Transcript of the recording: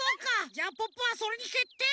じゃあポッポはそれにけってい！